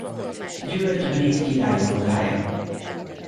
György brit király unokája.